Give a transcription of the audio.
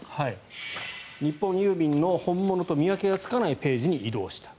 日本郵便の本物と見分けがつかないページに移動した。